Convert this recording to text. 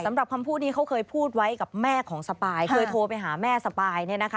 สำหรับคำพูดนี้เขาเคยพูดไว้กับแม่ของสปายเคยโทรไปหาแม่สปายเนี่ยนะคะ